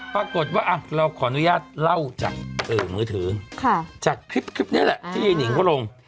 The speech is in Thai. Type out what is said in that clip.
ปรากฏว่าเราขออนุญาตเล่าจากมือถือจากคลิปนี้แหละที่หนิงเขาลง